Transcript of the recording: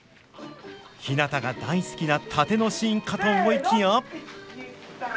ひなたが大好きな殺陣のシーンかと思いきや。